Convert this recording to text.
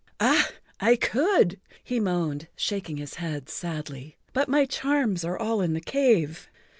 "Ah, I could," he moaned, shaking his head sadly, "but my charms are all in the cave.